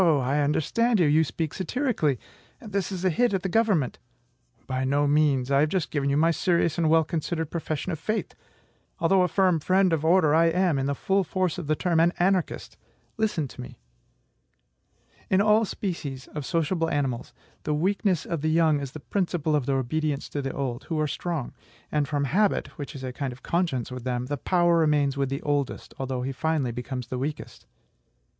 I understand you; you speak satirically. This is a hit at the government." "By no means. I have just given you my serious and well considered profession of faith. Although a firm friend of order, I am (in the full force of the term) an anarchist. Listen to me." In all species of sociable animals, "the weakness of the young is the principle of their obedience to the old," who are strong; and from habit, which is a kind of conscience with them, the power remains with the oldest, although he finally becomes the weakest.